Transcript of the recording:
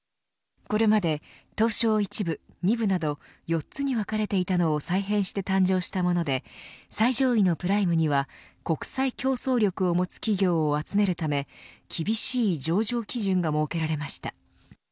これまで東証１部、２部など４つに分かれていたのを再編して誕生したもので最上位のプライムには国際競争力を持つ企業を集めるため厳しい上場基準が設けられました。